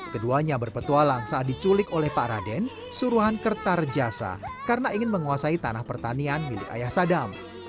keduanya berpetualang saat diculik oleh pak raden suruhan kertar jasa karena ingin menguasai tanah pertanian milik ayah sadam